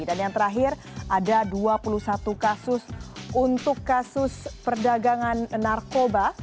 dan yang terakhir ada dua puluh satu kasus untuk kasus perdagangan narkoba